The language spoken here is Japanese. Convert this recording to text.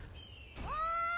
・おい！